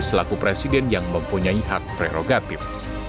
selaku presiden yang mempunyai hak prerogatif